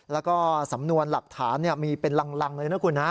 แล้วก็สำนวนหลักฐานมีเป็นรังเลยนะคุณฮะ